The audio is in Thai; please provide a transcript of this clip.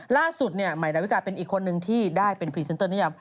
ล่าสุดใหม่ดาวิกาเป็นอีกคนนึงที่ได้เป็นพรีเซนเตอร์นิยม